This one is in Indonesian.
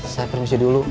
saya permisi dulu